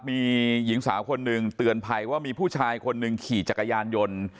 มีหญิงสาวคนหนึ่งเตือนภัยว่ามีผู้ชายคนหนึ่งขี่จักรยานยนต์